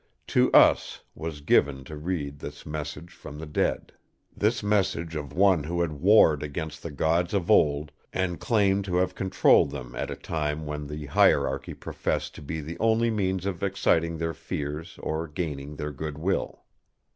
To us was given to read this message from the dead. This message of one who had warred against the Gods of Old, and claimed to have controlled them at a time when the hierarchy professed to be the only means of exciting their fears or gaining their good will.